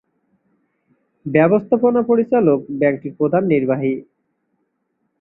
ব্যবস্থাপনা পরিচালক ব্যাংকটির প্রধান নির্বাহী।